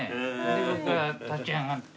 で僕が立ち上がって。